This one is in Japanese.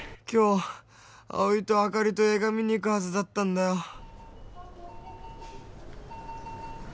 今日葵とあかりと映画見に行くはずだったんだよ。